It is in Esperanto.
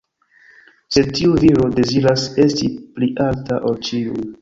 Sed tiu viro deziras esti pli alta ol ĉiuj.